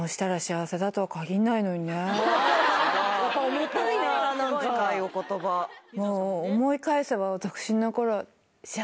重たいな何か深いお言葉え